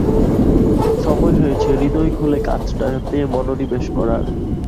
সময় হয়েছে হৃদয় খুলে কাজটাতে মনোনিবেশ করার।